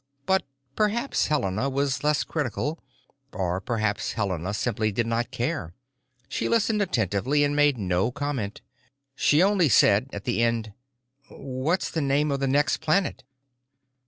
But perhaps Helena was less critical; or perhaps Helena simply did not care. She listened attentively and made no comment. She only said, at the end, "What's the name of the next planet?"